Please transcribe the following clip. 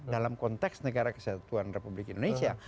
dalam konteks negara kesatuan republik indonesia